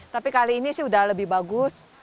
tapi kali ini sih udah lebih bagus